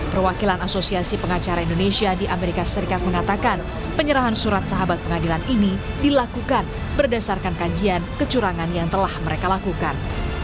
perwakilan asosiasi pengacara indonesia di amerika serikat mengatakan penyerahan surat sahabat pengadilan ini dilakukan berdasarkan kajian kecurangan yang telah mereka lakukan